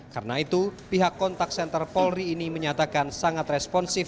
karena itu pihak kontak senter polri ini menyatakan sangat responsif